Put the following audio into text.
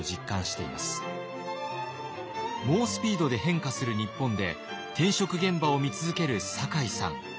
猛スピードで変化する日本で転職現場を見続ける酒井さん。